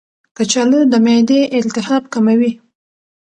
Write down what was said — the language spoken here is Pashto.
کچالو د معدې التهاب کموي.